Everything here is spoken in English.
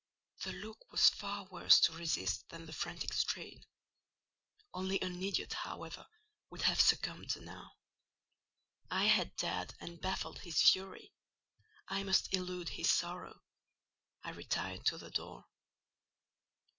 The look was far worse to resist than the frantic strain: only an idiot, however, would have succumbed now. I had dared and baffled his fury; I must elude his sorrow: I retired to the door.